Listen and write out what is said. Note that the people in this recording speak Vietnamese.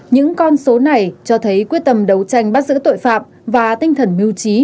những con số này cho thấy quyết tâm đấu tranh bắt giữ tội phạm và tinh thần mưu trí